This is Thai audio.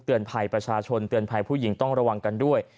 ภัยประชาชนเตือนภัยผู้หญิงต้องระวังกันด้วย